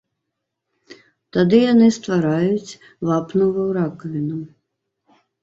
Тады яны ствараюць вапнавую ракавіну.